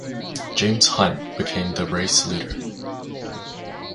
James Hunt became the race leader.